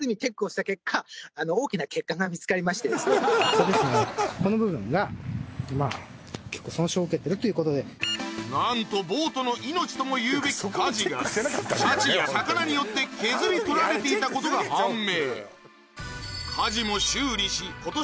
そんな２日後言われた通りなんとボートの命ともいうべき舵がシャチや魚によって削り取られていたことが判明